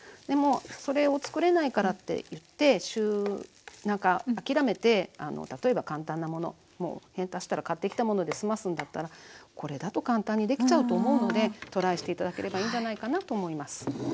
でもそれを作れないからって週中諦めて例えば簡単なものをもう買ってきたもので済ますんだったらこれだと簡単にできちゃうと思うのでトライして頂ければいいんじゃないかなと思います。